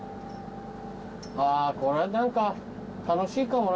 あぁこれは何か楽しいかもな。